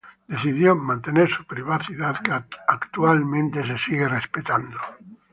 Decidió mantener su privacidad, que sigue siendo actualmente respetada.